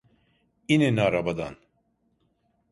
İnin arabadan!